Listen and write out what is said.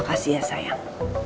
makasih ya sayang